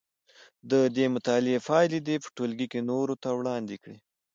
د دې مطالعې پایلې دې په ټولګي کې نورو ته وړاندې کړي.